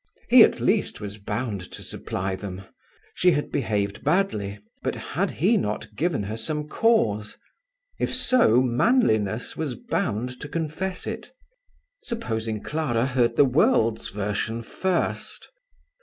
He at least was bound to supply them. She had behaved badly; but had he not given her some cause? If so, manliness was bound to confess it. Supposing Clara heard the world's version first!